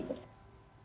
baik bang syarul